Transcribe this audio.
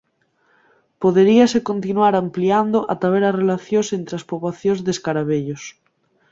Poderíase continuar ampliando ata ver as relacións entre as poboacións de escaravellos.